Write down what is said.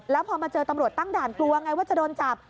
แล้วพอมาเจอตำรวจตั้งด่านกลัวไงว่าจะโดนจับ